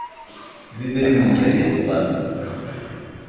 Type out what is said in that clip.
D idrimen kan ay tebɣam.